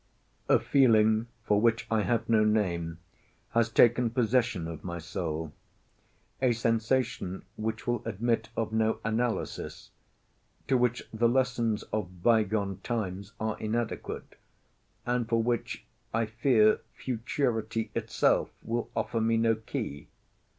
A feeling, for which I have no name, has taken possession of my soul —a sensation which will admit of no analysis, to which the lessons of bygone times are inadequate, and for which I fear futurity itself will offer me no key.